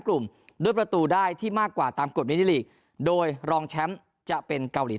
กลุ่มด้วยประตูได้ที่มากกว่าตามกฎมินิลีกโดยรองแชมป์จะเป็นเกาหลี